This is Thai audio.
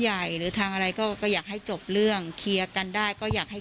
หรือทางอะไรก็ก็อยากให้จบเรื่องเคลียร์กันได้ก็อยากให้